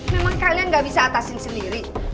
memang kalian gak bisa atasin sendiri